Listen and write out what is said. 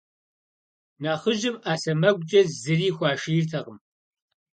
Нэхъыжьым Ӏэ сэмэгукӀэ зыри хуашийртэкъым.